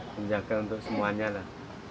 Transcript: penjaga untuk semuanya lah